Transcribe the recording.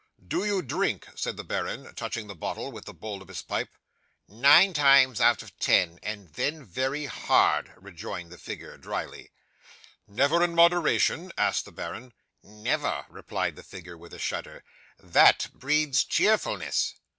'"Do you drink?" said the baron, touching the bottle with the bowl of his pipe. '"Nine times out of ten, and then very hard," rejoined the figure, drily. '"Never in moderation?" asked the baron. '"Never," replied the figure, with a shudder, "that breeds cheerfulness."